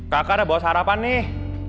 kakak ada bawa sarapan nih